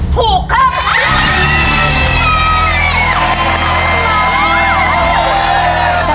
ถูกครับ